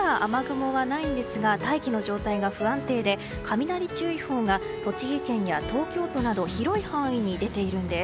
都心はまだ雨雲はないんですが大気の状態が不安定で雷注意報が栃木県や東京都など広い範囲に出ているんです。